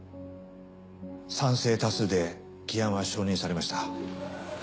賛成多数で議案は承認されました。